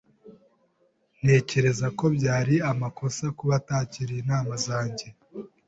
Ntekereza ko byari amakosa kuba atakiriye inama zanjye.